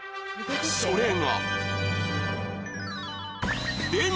それが